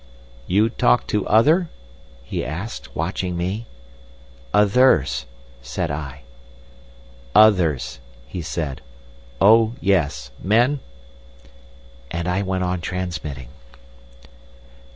"'You talk to other?' he asked, watching me. "'Others,' said I. "'Others,' he said. 'Oh yes, Men?' "And I went on transmitting."